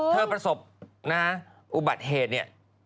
เธอประสบอุบัติเหตุเนี่ย